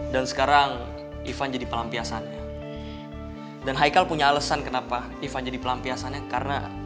dan sekarang ivan jadi pelampiasannya dan haikal punya alasan kenapa ivan jadi pelampiasannya karena